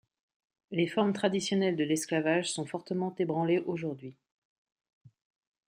Les formes traditionnelles de l'esclavage sont fortement ébranlées aujourd'hui.